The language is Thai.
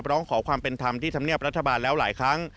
ร้องขอความเป็นธรรมที่ธรรมเนียบรัฐบาลแล้วหลายครั้ง